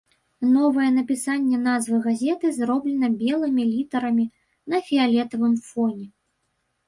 Новае напісанне назвы газеты зроблена белымі літарамі на фіялетавым фоне.